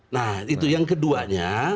nah itu yang keduanya